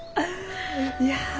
いや。